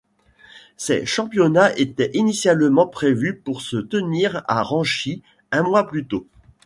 Ces championnats étaient initialement prévus pour se tenir à Ranchi un mois plus tôt.